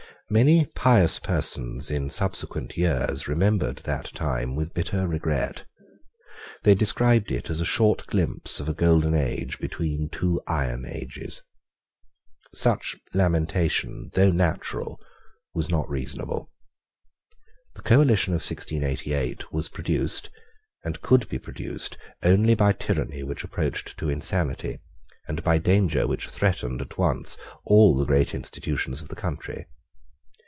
Many pious persons in subsequent years remembered that time with bitter regret. They described it as a short glimpse of a golden age between two iron ages. Such lamentation, though natural, was not reasonable. The coalition of 1688 was produced, and could be produced, only by tyranny which approached to insanity, and by danger which threatened at once all the great institutions of the country.